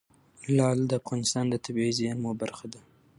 لعل د افغانستان د طبیعي زیرمو برخه ده.